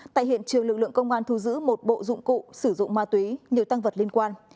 tại hiện trường lực lượng công an thu giữ một bộ dụng cụ sử dụng ma túy nhiều tăng vật liên quan